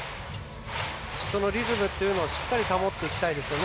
そのリズムというのをしっかり保っていきたいですよね